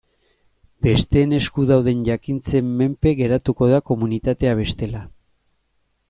Besteen esku dauden jakintzen menpe geratuko da komunitatea bestela.